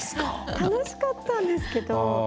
楽しかったんですけど。